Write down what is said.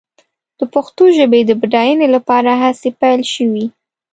د پښتو ژبې د بډاینې لپاره هڅې پيل شوې.